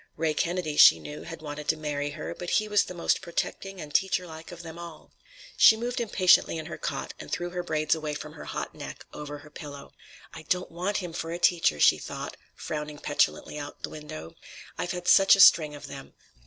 Ray Kennedy, she knew, had wanted to marry her, but he was the most protecting and teacher like of them all. She moved impatiently in her cot and threw her braids away from her hot neck, over her pillow. "I don't want him for a teacher," she thought, frowning petulantly out of the window. "I've had such a string of them.